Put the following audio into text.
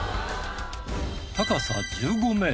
高さ１５ｍ。